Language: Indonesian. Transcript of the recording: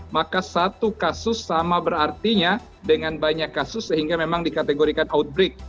maka satu kasus sama berartinya dengan banyak kasus sehingga memang dikategorikan outbreak